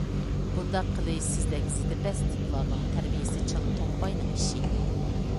بۇنداق قىلىش سىزدەك زىدىپەس تىپلارنىڭ، تەربىيەسى چالا تومپاينىڭ ئىشى.